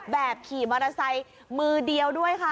แบบขี่มอเตอร์ไซค์มือเดียวด้วยค่ะ